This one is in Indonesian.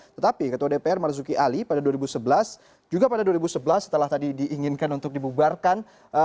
tetapi ketua dpr marzuki ali pada dua ribu sebelas juga pada dua ribu sebelas setelah tadi diinginkan untuk dibubarkan